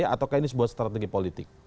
ataukah ini sebuah strategi politik